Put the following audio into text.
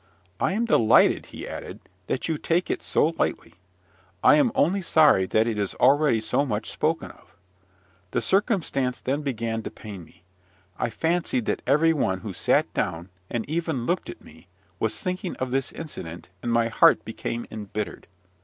"I am delighted," he added, "that you take it so lightly. I am only sorry that it is already so much spoken of." The circumstance then began to pain me. I fancied that every one who sat down, and even looked at me, was thinking of this incident; and my heart became embittered.